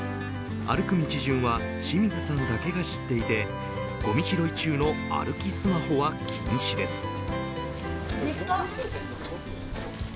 歩く道順は志水さんだけが知っていてごみ拾い中の歩きスマホは禁止です。